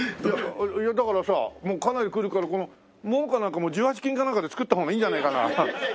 だからさもうかなり来るからこの門かなんかも１８金かなんかで造った方がいいんじゃないかな。